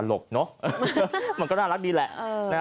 ตลกเนอะมันก็น่ารักดีแหละ